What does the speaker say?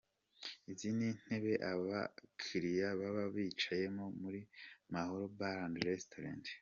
Izi ni intebe aba clients baba bicayemo muri Mahalo Bar&Restaurant.